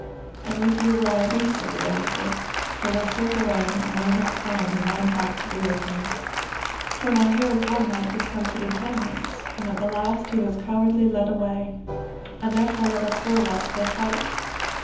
And with you will I be, said the damosel, for with Sir Gawaine I may not find in mine heart to be with him; for now here was one knight discomfited ten knights, and at the last he was cowardly led away; and therefore let us two go whilst they fight.